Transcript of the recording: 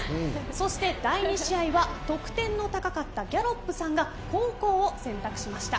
そして第２試合は得点の高かったギャロップさんが後攻を選択しました。